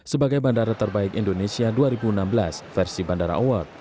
sebagai bandara terbaik indonesia dua ribu enam belas versi bandara award